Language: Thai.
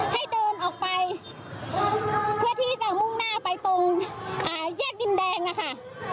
ให้เดินออกไปเพื่อที่จะมุ่งหน้าไปตรงแยกดินแดงนะคะ